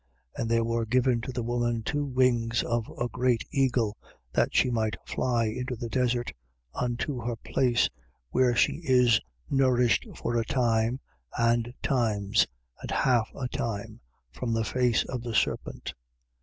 12:14. And there were given to the woman two wings of a great eagle, that she might fly into the desert, unto her place, where she is nourished for a time and times, and half a time, from the face of the serpent.